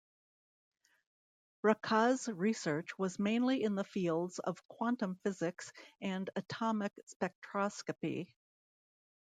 Racah's research was mainly in the fields of quantum physics and atomic spectroscopy.